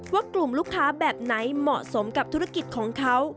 ว่ากลุ่มลูกค้าแบบไหนเหมาะสมกับธุรกิจของเขา